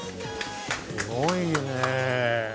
すごいね。